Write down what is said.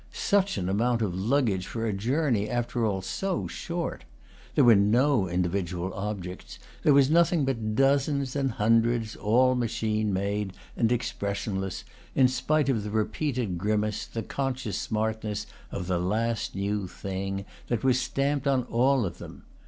Such an amount of luggage for a journey after all so short! There were no individual objects; there was nothing but dozens and hundreds, all machine made and expressionless, in spite of the repeated grimace, the conscious smartness, of "the last new thing," that was stamped on all of them.